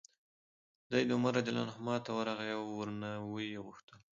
دی عمر رضي الله عنه ته ورغی او ورنه ویې غوښتل